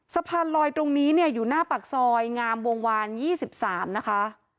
สะพานลอยตรงนี้เนี่ยอยู่หน้าปากซอยงามวงวาน๒๓นะคะ